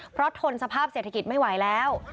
เพราะทนสภาพเศรษฐกิจไม่ไหวแล้ว